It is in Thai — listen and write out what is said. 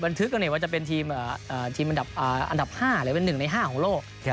ทึกว่าจะเป็นทีมอันดับ๕หรือเป็น๑ใน๕ของโลก